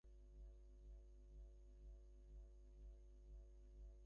বিপ্রদাস কিছু না বলে সুগভীর বেদনার দৃষ্টিতে কুমুর মুখের দিকে চেয়ে রইল।